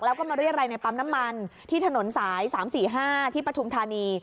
แล้วก็มาเรียรัยในปั๊มน้ำมันที่ถนนสาย๓๔๕ที่ปฐุมธานี